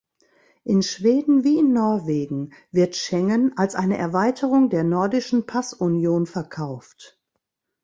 In Schweden wie in Norwegen wird Schengen als eine Erweiterung der nordischen Passunion verkauft.